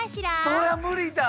それは無理だ。